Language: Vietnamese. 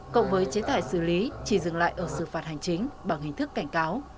cộng với chế tài xử lý chỉ dừng lại ở xử phạt hành chính bằng hình thức cảnh cáo